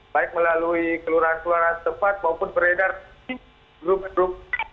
baik melalui kelurahan kelurahan setempat maupun beredar di grup grup